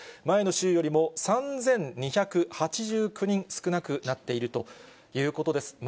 前の週よりも３２８９人少なくなっているということです。